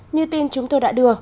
như tin chúng tôi đã đưa